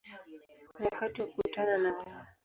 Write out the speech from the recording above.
Ni wakati wa kukutana na wewe”.